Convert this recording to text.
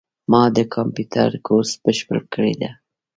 ما د کامپیوټر کورس بشپړ کړی ده